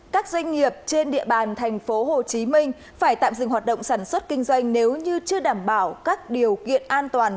các doanh nghiệp trên địa bàn tp hcm phải tạm dừng hoạt động sản xuất kinh doanh nếu như chưa đảm bảo các điều kiện an toàn